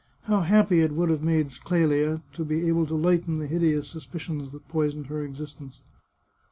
How happy it would have made Clelia to be able to lighten the hideous suspicions that poisoned her existence.